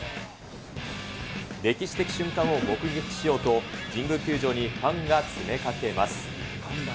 歴史的瞬間を目撃しようと、神宮球場にファンが詰めかけます。